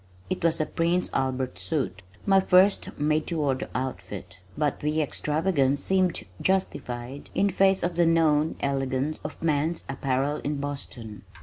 It was a "Prince Albert Soot" my first made to order outfit, but the extravagance seemed justified in face of the known elegance of man's apparel in Boston.